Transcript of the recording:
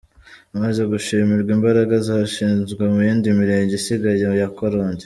Amaze gushimirwa imbaraga zashizwe mu yindi Mirenge isigaye ya Karongi.